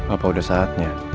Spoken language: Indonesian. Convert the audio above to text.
apa udah saatnya